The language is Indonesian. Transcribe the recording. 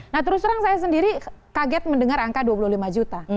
nah terus terang saya sendiri kaget mendengar angka dua puluh lima juta